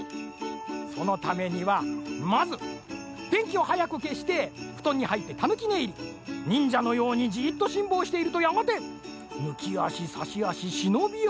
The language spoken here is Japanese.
そのためにはまずでんきをはやくけしてふとんにはいってたぬきねいり。にんじゃのようにじっとしんぼうしているとやがてぬきあしさしあししのびあし。